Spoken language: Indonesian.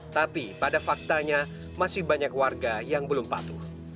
tapi pada faktanya masih banyak warga yang belum patuh